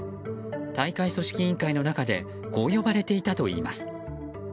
大会組織委員会の中でこう呼ばれていたといいます。